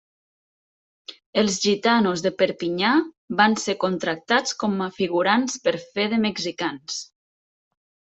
Els gitanos de Perpinyà van ser contractats com figurants per fer de mexicans.